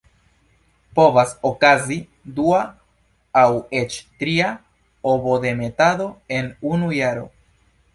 Povas okazi dua aŭ eĉ tria ovodemetado en unu jaro.